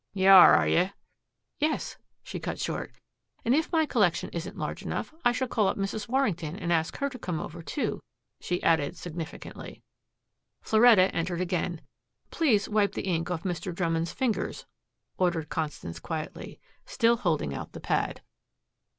"You are, are you?" "Yes," she cut short. "And if my collection isn't large enough I shall call up Mrs. Warrington and ask her to come over, too," she added significantly. Floretta entered again. "Please wipe the ink off Mr. Drummond's fingers," ordered Constance quietly, still holding out the pad.